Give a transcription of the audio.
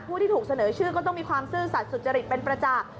ผู้ที่ถูกเสนอชื่อก็ต้องมีความซื่อสัตว์สุจริตเป็นประจักษ์